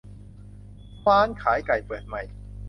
ร้านขายไก่เปิดใหม่